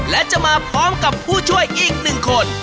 และจะมาพร้อมกับผู้ช่วยอีกหนึ่งคน